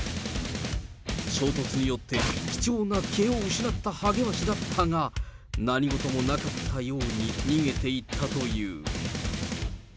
衝突によって、貴重な毛を失ったハゲワシだったが、何事もなかったように、逃げていったという。